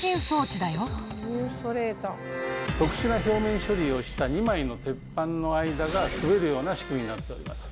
特殊な表面処理をした２枚の鉄板の間が滑るような仕組みになっております。